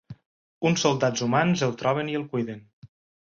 Uns soldats humans el troben i el cuiden.